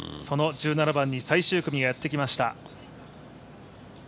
１７番に最終組がやってまいりました。